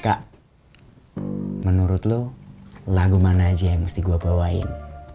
kak menurut lo lagu mana aja yang mesti gue bawain